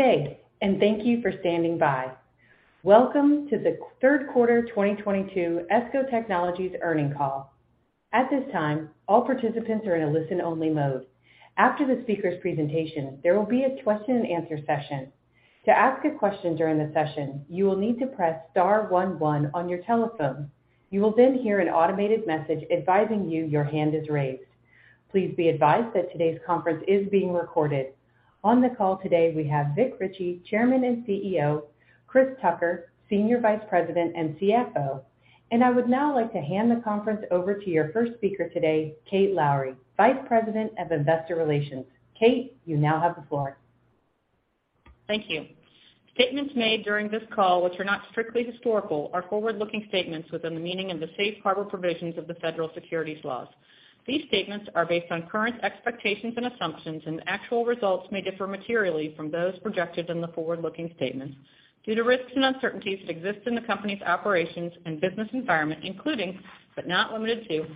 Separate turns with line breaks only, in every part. Good day, and thank you for standing by. Welcome to the third quarter 2022 ESCO Technologies earnings call. At this time, all participants are in a listen-only mode. After the speaker's presentation, there will be a question-and-answer session. To ask a question during the session, you will need to press star one one on your telephone. You will then hear an automated message advising you your hand is raised. Please be advised that today's conference is being recorded. On the call today, we have Vic Richey, Chairman and CEO, Chris Tucker, Senior Vice President and CFO. I would now like to hand the conference over to your first speaker today, Kate Lowrey, Vice President of Investor Relations. Kate, you now have the floor.
Thank you. Statements made during this call which are not strictly historical, are forward-looking statements within the meaning of the safe harbor provisions of the federal securities laws. These statements are based on current expectations and assumptions, and actual results may differ materially from those projected in the forward-looking statements due to risks and uncertainties that exist in the company's operations and business environment, including, but not limited to,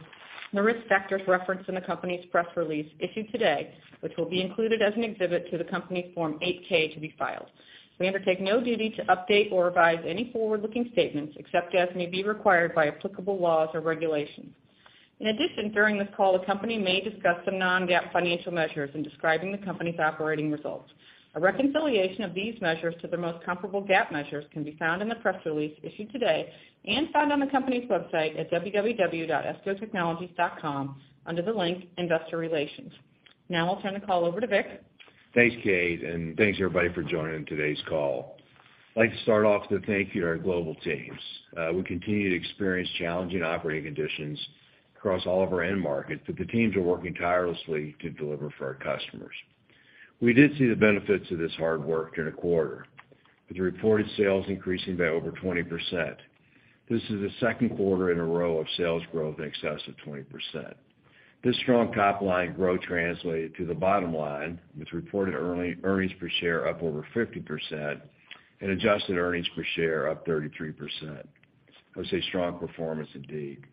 the risk factors referenced in the company's press release issued today, which will be included as an exhibit to the company's Form 8-K to be filed. We undertake no duty to update or revise any forward-looking statements, except as may be required by applicable laws or regulations. In addition, during this call, the company may discuss some non-GAAP financial measures in describing the company's operating results. A reconciliation of these measures to their most comparable GAAP measures can be found in the press release issued today and found on the company's website at www.escotechnologies.com under the link Investor Relations. Now I'll turn the call over to Vic.
Thanks, Kate, and thanks everybody for joining today's call. I'd like to start off by thanking our global teams. We continue to experience challenging operating conditions across all of our end markets, but the teams are working tirelessly to deliver for our customers. We did see the benefits of this hard work during the quarter, with the reported sales increasing by over 20%. This is the second quarter in a row of sales growth in excess of 20%. This strong top line growth translated to the bottom line, with reported earnings per share up over 50% and adjusted earnings per share up 33%. I would say strong performance indeed.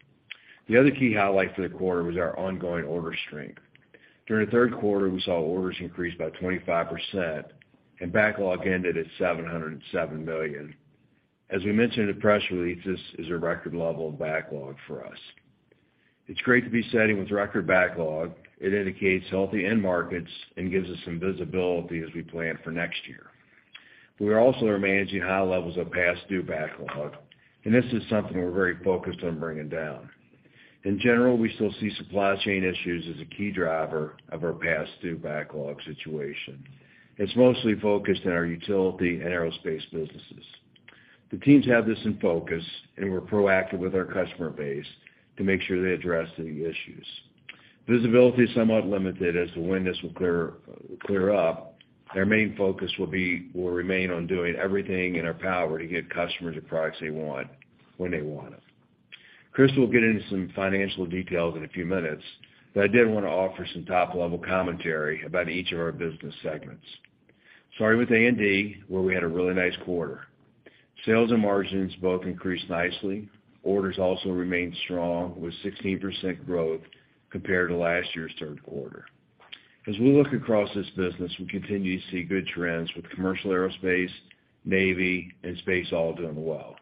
The other key highlight for the quarter was our ongoing order strength. During the third quarter, we saw orders increase by 25% and backlog ended at $707 million. As we mentioned in the press release, this is a record level of backlog for us. It's great to be sitting with record backlog. It indicates healthy end markets and gives us some visibility as we plan for next year. We also are managing high levels of past due backlog, and this is something we're very focused on bringing down. In general, we still see supply chain issues as a key driver of our past due backlog situation. It's mostly focused on our utility and aerospace businesses. The teams have this in focus, and we're proactive with our customer base to make sure they address any issues. Visibility is somewhat limited as to when this will clear up. Our main focus will remain on doing everything in our power to get customers the products they want when they want them. Chris will get into some financial details in a few minutes, but I did want to offer some top-level commentary about each of our business segments. Starting with A&D, where we had a really nice quarter. Sales and margins both increased nicely. Orders also remained strong, with 16% growth compared to last year's third quarter. As we look across this business, we continue to see good trends with commercial aerospace, Navy, and space all doing well.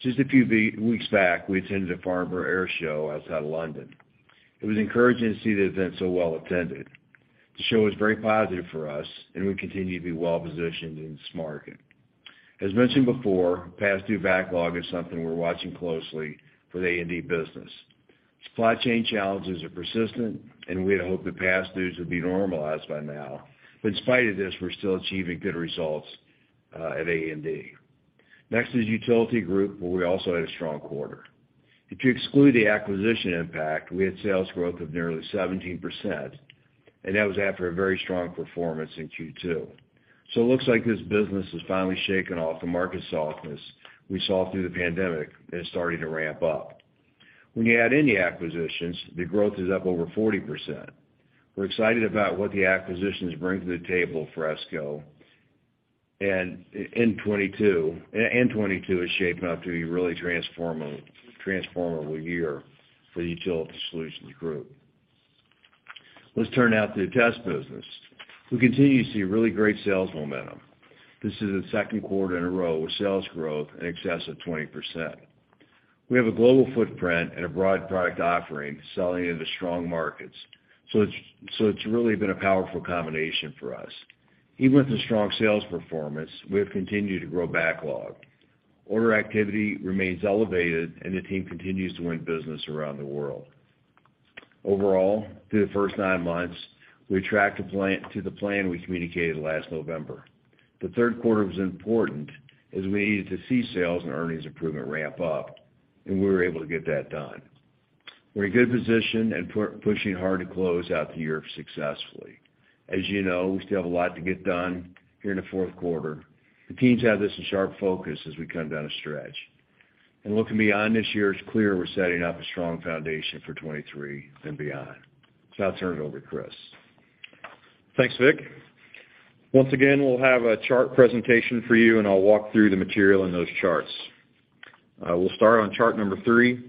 Just a few weeks back, we attended the Farnborough Airshow outside of London. It was encouraging to see the event so well attended. The show was very positive for us, and we continue to be well positioned in this market. As mentioned before, past due backlog is something we're watching closely for the A&D business. Supply chain challenges are persistent, and we had hoped the past dues would be normalized by now. In spite of this, we're still achieving good results at A&D. Next is Utility Solutions Group, where we also had a strong quarter. If you exclude the acquisition impact, we had sales growth of nearly 17%, and that was after a very strong performance in Q2. Looks like this business is finally shaking off the market softness we saw through the pandemic and starting to ramp up. When you add in the acquisitions, the growth is up over 40%. We're excited about what the acquisitions bring to the table for ESCO and in 2022 is shaping up to be a really transformable year for the Utility Solutions Group. Let's turn now to the Test business. We continue to see really great sales momentum. This is the second quarter in a row with sales growth in excess of 20%. We have a global footprint and a broad product offering selling into strong markets. It's really been a powerful combination for us. Even with the strong sales performance, we have continued to grow backlog. Order activity remains elevated, and the team continues to win business around the world. Overall, through the first nine months, we tracked to plan, to the plan we communicated last November. The third quarter was important as we needed to see sales and earnings improvement ramp up, and we were able to get that done. We're in good position and pushing hard to close out the year successfully. As you know, we still have a lot to get done here in the fourth quarter. The teams have this in sharp focus as we come down the stretch. Looking beyond this year, it's clear we're setting up a strong foundation for 2023 and beyond. I'll turn it over to Chris.
Thanks, Vic. Once again, we'll have a chart presentation for you, and I'll walk through the material in those charts. I will start on chart number 3,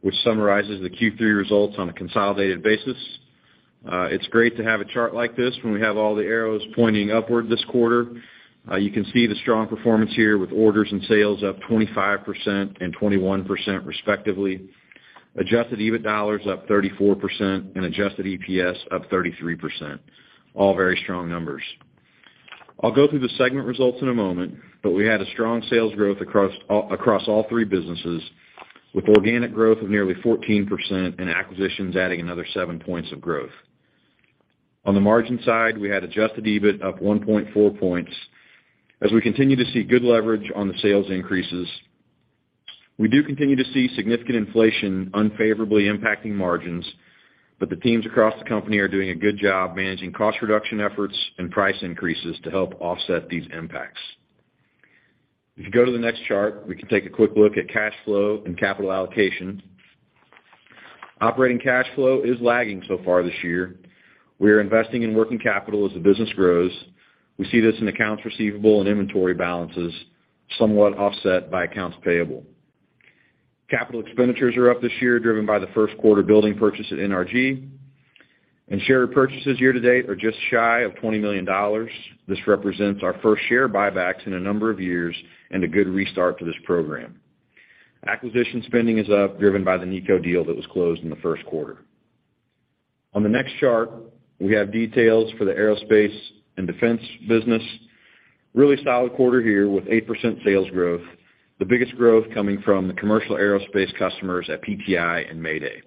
which summarizes the Q3 results on a consolidated basis. It's great to have a chart like this when we have all the arrows pointing upward this quarter. You can see the strong performance here with orders and sales up 25% and 21% respectively. Adjusted EBIT dollars up 34% and adjusted EPS up 33%. All very strong numbers. I'll go through the segment results in a moment, but we had a strong sales growth across all three businesses, with organic growth of nearly 14% and acquisitions adding another 7 points of growth. On the margin side, we had Adjusted EBIT up 1.4 points as we continue to see good leverage on the sales increases. We do continue to see significant inflation unfavorably impacting margins, but the teams across the company are doing a good job managing cost reduction efforts and price increases to help offset these impacts. If you go to the next chart, we can take a quick look at cash flow and capital allocation. Operating cash flow is lagging so far this year. We are investing in working capital as the business grows. We see this in accounts receivable and inventory balances, somewhat offset by accounts payable. Capital expenditures are up this year, driven by the first quarter building purchase at NRG. Share repurchases year-to-date are just shy of $20 million. This represents our first share buybacks in a number of years and a good restart to this program. Acquisition spending is up, driven by the Altanova deal that was closed in the first quarter. On the next chart, we have details for the aerospace and defense business. Really solid quarter here with 8% sales growth, the biggest growth coming from the commercial aerospace customers at PTI and Mayday.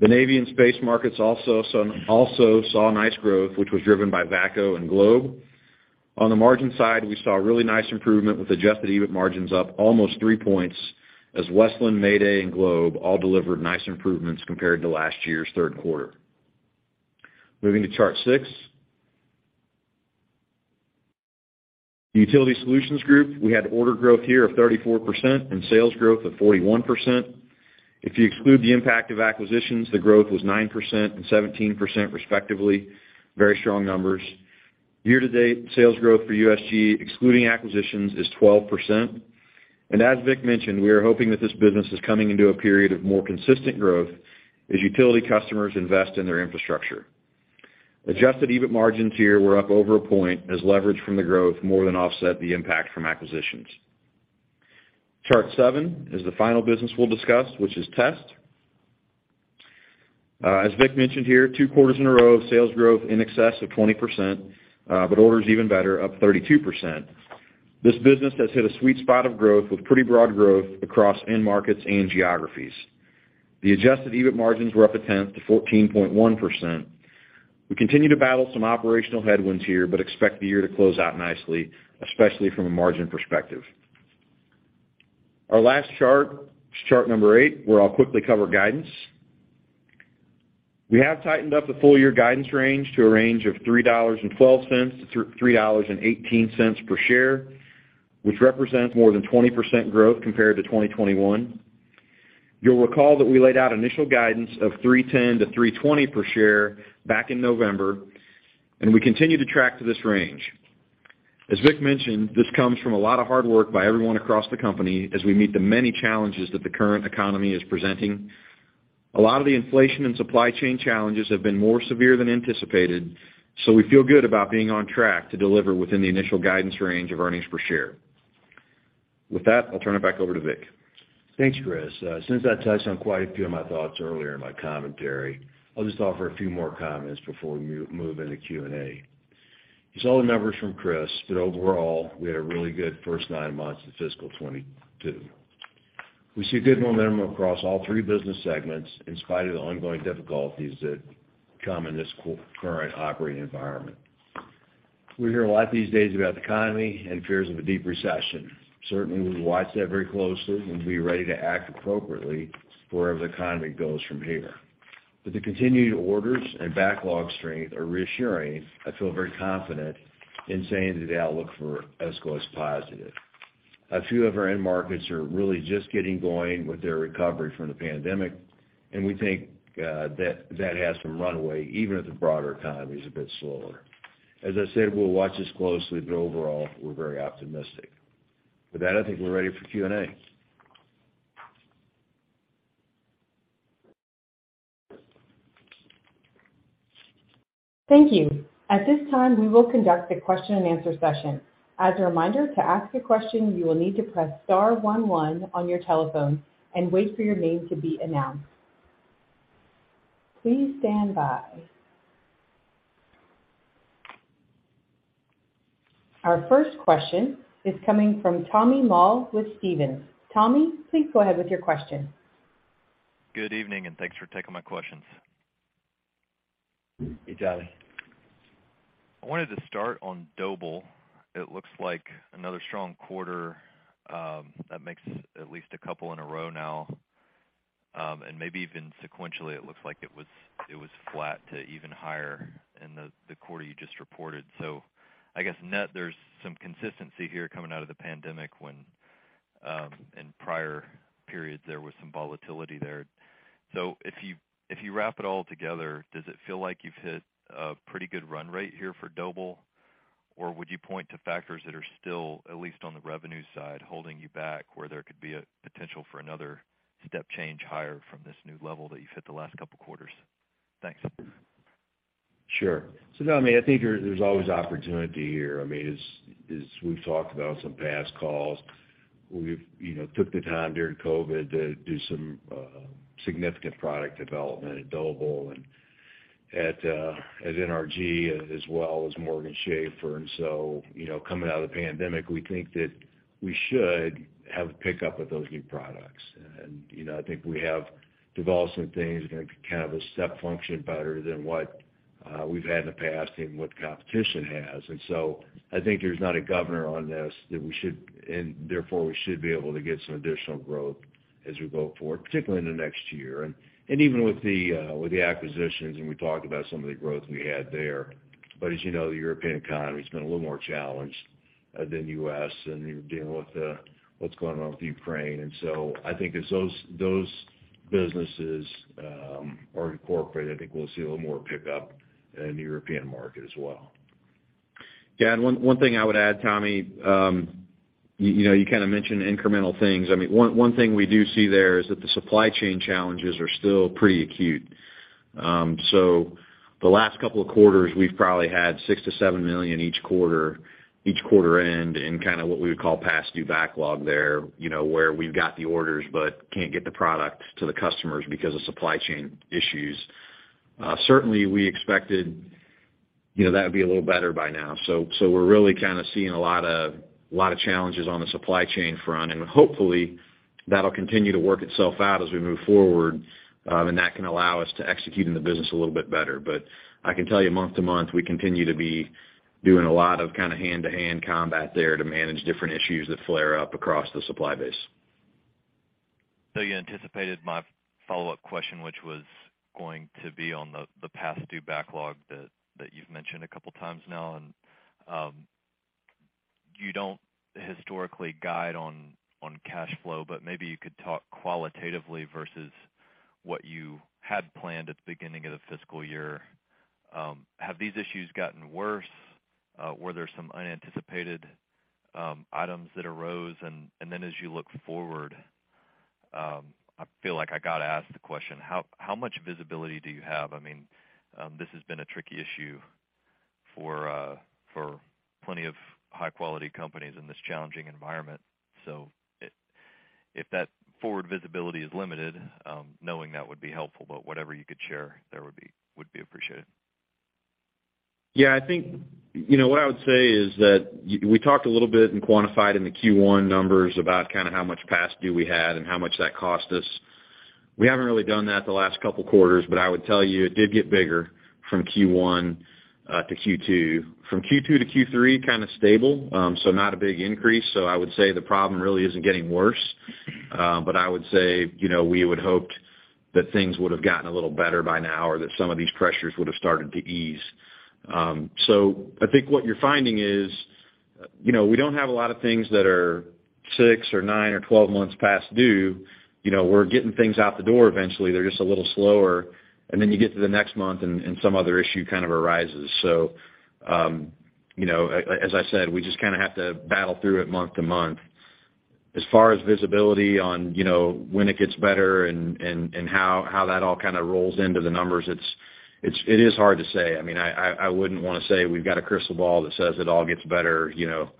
The Navy and space markets also saw nice growth, which was driven by VACCO and Globe. On the margin side, we saw a really nice improvement with adjusted EBIT margins up almost 3 points as Westland, Mayday and Globe all delivered nice improvements compared to last year's third quarter. Moving to chart 6. The Utility Solutions Group, we had order growth here of 34% and sales growth of 41%. If you exclude the impact of acquisitions, the growth was 9% and 17% respectively. Very strong numbers. Year-to-date, sales growth for USG, excluding acquisitions, is 12%. As Vic mentioned, we are hoping that this business is coming into a period of more consistent growth as utility customers invest in their infrastructure. Adjusted EBIT margins here were up over a point as leverage from the growth more than offset the impact from acquisitions. Chart 7 is the final business we'll discuss, which is test. As Vic mentioned here, two quarters in a row of sales growth in excess of 20%, but orders even better, up 32%. This business has hit a sweet spot of growth with pretty broad growth across end markets and geographies. The adjusted EBIT margins were up a tenth to 14.1%. We continue to battle some operational headwinds here, but expect the year to close out nicely, especially from a margin perspective. Our last chart is chart number 8, where I'll quickly cover guidance. We have tightened up the full year guidance range to a range of $3.12-$3.18 per share, which represents more than 20% growth compared to 2021. You'll recall that we laid out initial guidance of $3.10-$3.20 per share back in November, and we continue to track to this range. As Vic mentioned, this comes from a lot of hard work by everyone across the company as we meet the many challenges that the current economy is presenting. A lot of the inflation and supply chain challenges have been more severe than anticipated, so we feel good about being on track to deliver within the initial guidance range of earnings per share. With that, I'll turn it back over to Vic.
Thanks, Chris. Since I touched on quite a few of my thoughts earlier in my commentary, I'll just offer a few more comments before we move into Q&A. You saw the numbers from Chris that overall we had a really good first 9 months of fiscal 2022. We see good momentum across all three business segments in spite of the ongoing difficulties that come in this current operating environment. We hear a lot these days about the economy and fears of a deep recession. Certainly, we watch that very closely and will be ready to act appropriately wherever the economy goes from here. The continued orders and backlog strength are reassuring. I feel very confident in saying that the outlook for ESCO is positive. A few of our end markets are really just getting going with their recovery from the pandemic, and we think that has some runway, even if the broader economy is a bit slower. As I said, we'll watch this closely, but overall, we're very optimistic. With that, I think we're ready for Q&A.
Thank you. At this time, we will conduct a question-and-answer session. As a reminder, to ask a question, you will need to press star one one on your telephone and wait for your name to be announced. Please stand by. Our first question is coming from Tommy Moll with Stephens. Tommy, please go ahead with your question.
Good evening, and thanks for taking my questions.
Hey, Tommy.
I wanted to start on Doble. It looks like another strong quarter, that makes at least a couple in a row now, and maybe even sequentially, it looks like it was flat to even higher in the quarter you just reported. I guess net, there's some consistency here coming out of the pandemic when in prior periods there was some volatility there. If you wrap it all together, does it feel like you've hit a pretty good run rate here for Doble? Would you point to factors that are still, at least on the revenue side, holding you back where there could be a potential for another step change higher from this new level that you've hit the last couple quarters? Thanks.
Sure. Now, I mean, I think there's always opportunity here. I mean, as we've talked about some past calls, we've, you know, took the time during COVID to do some significant product development at Doble and at NRG as well as Morgan Schaffer. You know, coming out of the pandemic, we think that we should have pick up with those new products. You know, I think we have developed some things that are kind of a step function better than what we've had in the past and what competition has. I think there's not a governor on this that we should, and therefore we should be able to get some additional growth as we go forward, particularly in the next year. Even with the acquisitions, and we talked about some of the growth we had there. As you know, the European economy has been a little more challenged than U.S., and you're dealing with what's going on with Ukraine. I think as those businesses are incorporated, I think we'll see a little more pickup in the European market as well.
Yeah. One thing I would add, Tommy, you know, you kind of mentioned incremental things. I mean, one thing we do see there is that the supply chain challenges are still pretty acute. So the last couple of quarters, we've probably had $6 million-$7 million each quarter-end in kind of what we would call past due backlog there, you know, where we've got the orders but can't get the product to the customers because of supply chain issues. Certainly, we expected, you know, that would be a little better by now. We're really kind of seeing a lot of challenges on the supply chain front. Hopefully, that'll continue to work itself out as we move forward, and that can allow us to execute in the business a little bit better. I can tell you month to month, we continue to be doing a lot of kind of hand-to-hand combat there to manage different issues that flare up across the supply base.
You anticipated my follow-up question, which was going to be on the past due backlog that you've mentioned a couple of times now. You don't historically guide on cash flow, but maybe you could talk qualitatively versus what you had planned at the beginning of the fiscal year. Have these issues gotten worse? Were there some unanticipated items that arose? Then as you look forward, I feel like I got to ask the question, how much visibility do you have? I mean, this has been a tricky issue for plenty of high-quality companies in this challenging environment. If that forward visibility is limited, knowing that would be helpful, but whatever you could share there would be appreciated.
Yeah, I think, you know, what I would say is that we talked a little bit and quantified in the Q1 numbers about kind of how much past due we had and how much that cost us. We haven't really done that the last couple quarters, but I would tell you it did get bigger from Q1 to Q2. From Q2 to Q3, kind of stable, so not a big increase. I would say the problem really isn't getting worse. I would say, you know, we would hoped that things would have gotten a little better by now or that some of these pressures would have started to ease. I think what you're finding is, you know, we don't have a lot of things that are 6 or 9 or 12 months past due. You know, we're getting things out the door eventually, they're just a little slower. Then you get to the next month and some other issue kind of arises. You know, as I said, we just kind of have to battle through it month to month. As far as visibility on, you know, when it gets better and how that all kind of rolls into the numbers, it is hard to say. I mean, I wouldn't want to say we've got a crystal ball that says it all gets better, you know,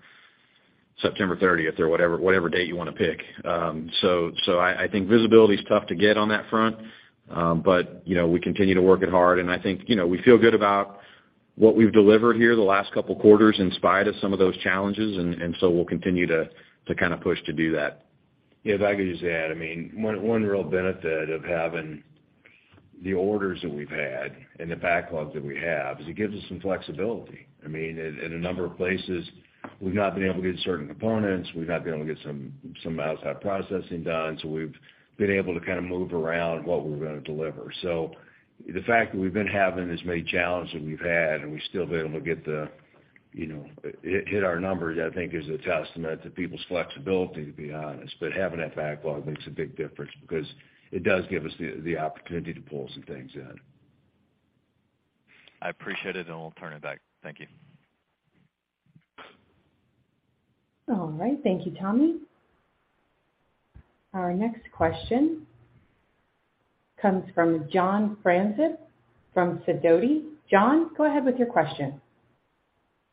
September 30th or whatever date you want to pick. I think visibility is tough to get on that front. you know, we continue to work it hard and I think, you know, we feel good about what we've delivered here the last couple quarters in spite of some of those challenges. We'll continue to kind of push to do that.
Yeah, if I could just add, I mean, one real benefit of having the orders that we've had and the backlog that we have is it gives us some flexibility. I mean, in a number of places, we've not been able to get certain components, we've not been able to get some outside processing done, so we've been able to kind of move around what we're going to deliver. The fact that we've been having as many challenges as we've had, and we've still been able to get the you know hit our numbers, I think is a testament to people's flexibility, to be honest. Having that backlog makes a big difference because it does give us the opportunity to pull some things in.
I appreciate it, and we'll turn it back. Thank you.
All right. Thank you, Tommy. Our next question comes from John Franzreb from Sidoti. John, go ahead with your question.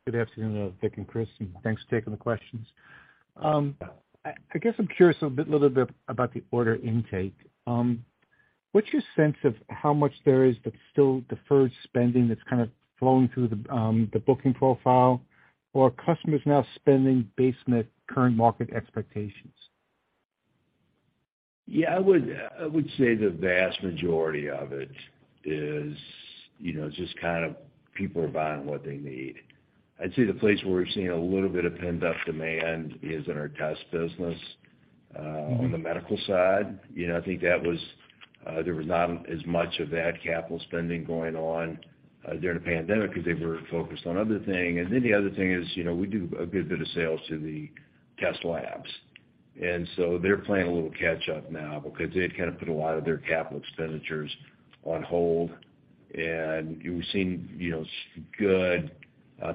Good afternoon, Vic and Chris, and thanks for taking the questions. I guess I'm curious a little bit about the order intake. What's your sense of how much there is that's still deferred spending that's kind of flowing through the booking profile? Or are customers now spending based on the current market expectations?
Yeah, I would say the vast majority of it is, you know, just kind of people are buying what they need. I'd say the place where we're seeing a little bit of pent-up demand is in our test business.
Mm-hmm.
On the medical side. You know, I think that was, there was not as much of that capital spending going on, during the pandemic because they were focused on other thing. The other thing is, you know, we do a good bit of sales to the test labs. They're playing a little catch up now because they had kind of put a lot of their capital expenditures on hold. We've seen, you know, good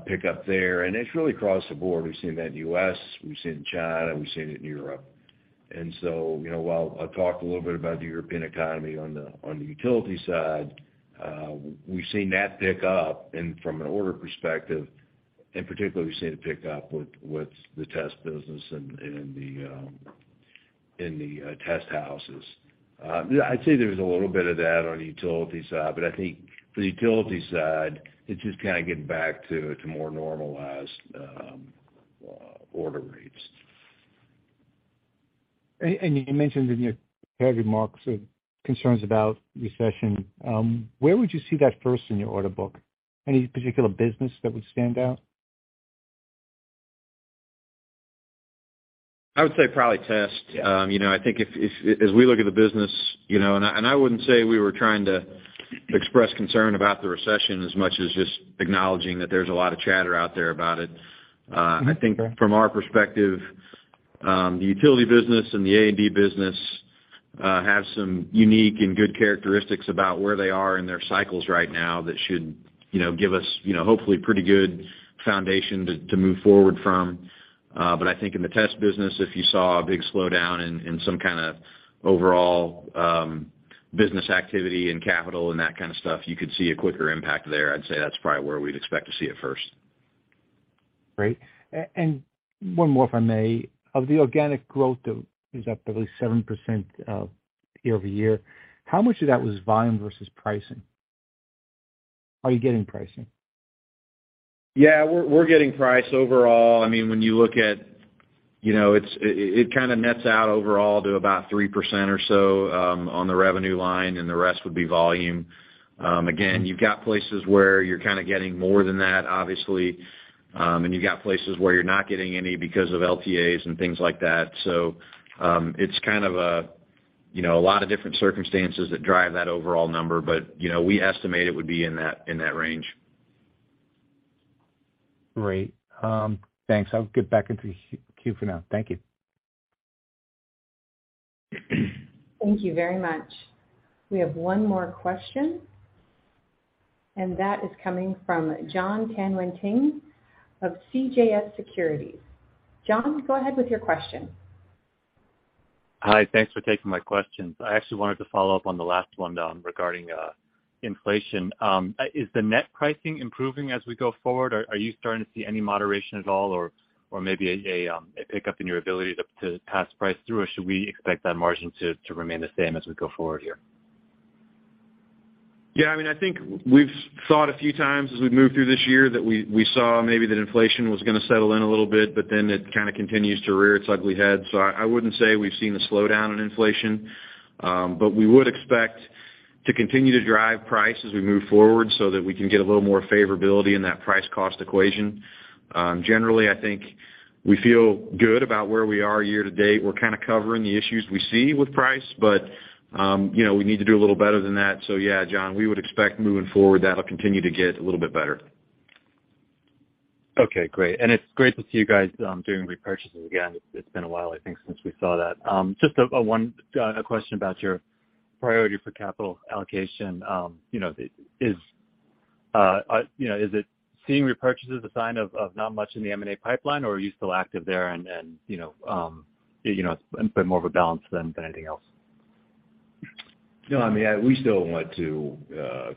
pick up there. It's really across the board. We've seen that in U.S., we've seen it in China, we've seen it in Europe. You know, while I talked a little bit about the European economy on the utility side, we've seen that pick up from an order perspective, and particularly we've seen it pick up with the test business and the test houses. Yeah, I'd say there's a little bit of that on the utility side, but I think the utility side, it's just kinda getting back to more normalized order rates.
You mentioned in your prepared remarks sort of concerns about recession. Where would you see that first in your order book? Any particular business that would stand out?
I would say probably test.
Yeah.
You know, I think if as we look at the business, you know, and I wouldn't say we were trying to express concern about the recession as much as just acknowledging that there's a lot of chatter out there about it.
I think that-
From our perspective, the utility business and the A&D business have some unique and good characteristics about where they are in their cycles right now that should, you know, give us, you know, hopefully pretty good foundation to move forward from. I think in the test business, if you saw a big slowdown in some kind of overall business activity and capital and that kind of stuff, you could see a quicker impact there. I'd say that's probably where we'd expect to see it first.
Great. One more, if I may. Of the organic growth that was up at least 7%, year-over-year, how much of that was volume versus pricing? Are you getting pricing?
Yeah, we're getting price overall. I mean, when you look at, you know, it kinda nets out overall to about 3% or so on the revenue line, and the rest would be volume. Again, you've got places where you're kinda getting more than that, obviously. You've got places where you're not getting any because of LTAs and things like that. It's kind of a, you know, a lot of different circumstances that drive that overall number. You know, we estimate it would be in that range.
Great. Thanks. I'll get back into the queue for now. Thank you.
Thank you very much. We have one more question, and that is coming from Jon Tanwanteng of CJS Securities. John, go ahead with your question.
Hi. Thanks for taking my questions. I actually wanted to follow up on the last one, regarding inflation. Is the net pricing improving as we go forward, or are you starting to see any moderation at all or maybe a pickup in your ability to pass price through? Or should we expect that margin to remain the same as we go forward here?
Yeah, I mean, I think we've thought a few times as we've moved through this year that we saw maybe that inflation was gonna settle in a little bit, but then it kinda continues to rear its ugly head. I wouldn't say we've seen the slowdown in inflation. We would expect to continue to drive price as we move forward so that we can get a little more favorability in that price cost equation. Generally, I think we feel good about where we are year to date. We're kinda covering the issues we see with price, but you know, we need to do a little better than that. Yeah, John, we would expect moving forward, that'll continue to get a little bit better.
Okay, great. It's great to see you guys doing repurchases again. It's been a while, I think, since we saw that. Just one question about your priority for capital allocation. You know, is it seeing repurchases a sign of not much in the M&A pipeline, or are you still active there and you know, it's been more of a balance than anything else?
No, I mean, we still want to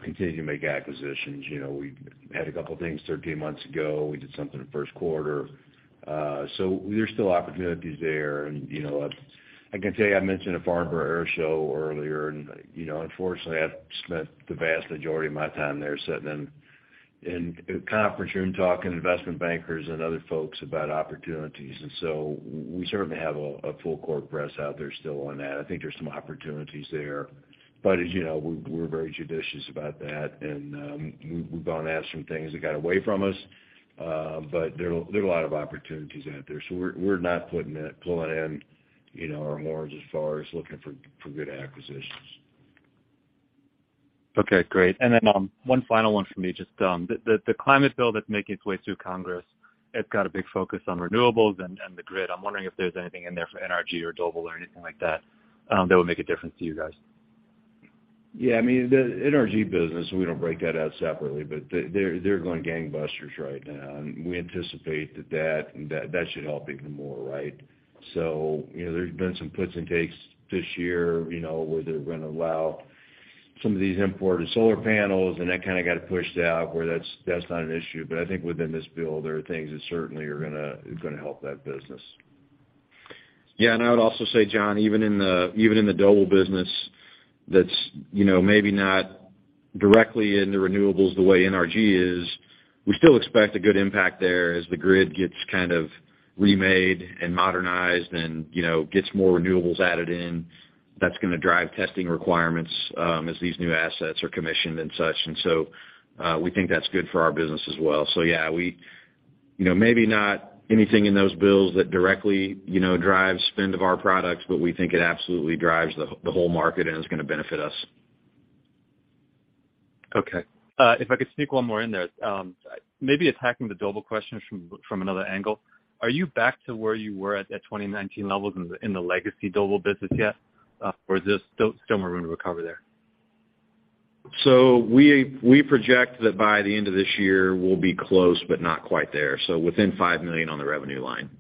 continue to make acquisitions. You know, we had a couple things 13 months ago. We did something in the first quarter. There's still opportunities there. You know, I can tell you, I mentioned the Farnborough Airshow earlier. You know, unfortunately, I've spent the vast majority of my time there sitting in a conference room talking to investment bankers and other folks about opportunities. We certainly have a full court press out there still on that. I think there's some opportunities there. As you know, we're very judicious about that. We've gone after some things that got away from us. There are a lot of opportunities out there. We're not pulling in our horns as far as looking for good acquisitions.
Okay, great. One final one for me. Just, the climate bill that's making its way through Congress, it's got a big focus on renewables and the grid. I'm wondering if there's anything in there for NRG or Doble or anything like that would make a difference to you guys.
Yeah, I mean, the NRG business, we don't break that out separately, but they're going gangbusters right now. We anticipate that that should help even more, right? You know, there's been some puts and takes this year, you know, where they're gonna allow some of these imported solar panels, and that kinda got pushed out where that's not an issue. I think within this bill, there are things that certainly are gonna help that business.
Yeah, I would also say, Jon, even in the Doble business, that's, you know, maybe not directly in the renewables the way NRG is. We still expect a good impact there as the grid gets kind of remade and modernized and, you know, gets more renewables added in. That's gonna drive testing requirements as these new assets are commissioned and such. We think that's good for our business as well. Yeah, we, you know, maybe not anything in those bills that directly, you know, drives spending on our products, but we think it absolutely drives the whole market and is gonna benefit us.
Okay. If I could sneak one more in there. Maybe attacking the Doble question from another angle. Are you back to where you were at 2019 levels in the legacy Doble business yet? Or is this still more room to recover there?
We project that by the end of this year, we'll be close, but not quite there. Within $5 million on the revenue line.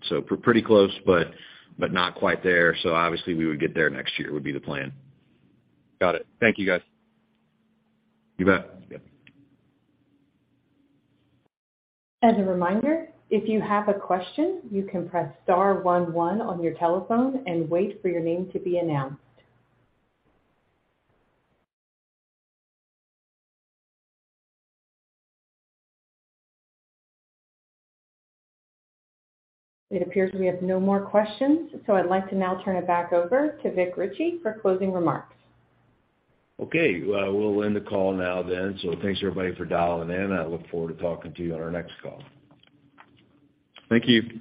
Pretty close, but not quite there. Obviously, we would get there next year would be the plan.
Got it. Thank you, guys.
You bet.
As a reminder, if you have a question, you can press star one one on your telephone and wait for your name to be announced. It appears we have no more questions, so I'd like to now turn it back over to Vic Richey for closing remarks.
Okay. We'll end the call now then. Thanks everybody for dialing in. I look forward to talking to you on our next call.
Thank you.